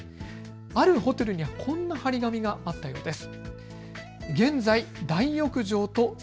あるホテルにはこんな張り紙があったようです。